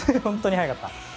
本当に速かった。